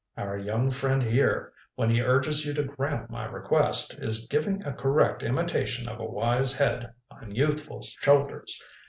Our young friend here, when he urges you to grant my request, is giving a correct imitation of a wise head on youthful shoulders.